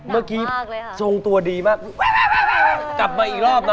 เมื่อกี้ทรงตัวดีมากกลับมาอีกรอบนะ